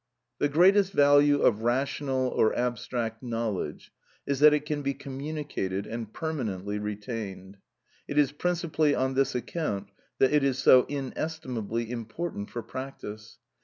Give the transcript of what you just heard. The greatest value of rational or abstract knowledge is that it can be communicated and permanently retained. It is principally on this account that it is so inestimably important for practice.